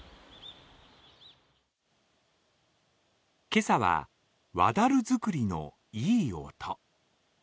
今朝は和樽作りのいい音。